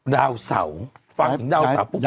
ดาวเสาฟังถึงดาวสาวปุ๊บก็จะ